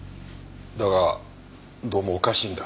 だがどうもおかしいんだ。